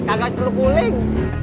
enggak perlu kuling